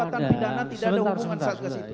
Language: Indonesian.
perbuatan pidana tidak ada hubungan kasatgas itu